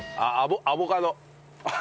アボカド？